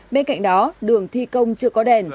bên cạnh đó đường thi công chưa có đèn